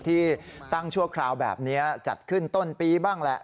ที่ตั้งชั่วคราวแบบนี้จัดขึ้นต้นปีบ้างแหละ